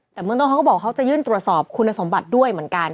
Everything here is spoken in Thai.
แต่เมืองต้นเขาก็บอกเขาจะยื่นตรวจสอบคุณสมบัติด้วยเหมือนกัน